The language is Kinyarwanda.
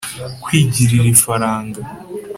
kwigirira ifaranga